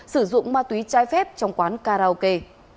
sử dụng ma túy trái phép trong quán karaoke